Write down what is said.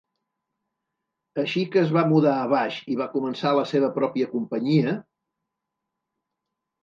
Així que es va mudar a baix i va començar la seva pròpia companyia...